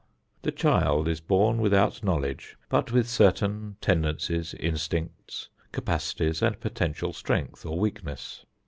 The child is born without knowledge but with certain tendencies, instincts, capacities and potential strength or weakness.